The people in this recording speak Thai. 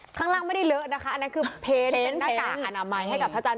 ข้างล่างไม่ได้เลอะนะคะอันนั้นคือเพนเป็นหน้ากากอนามัยให้กับพระอาจารย์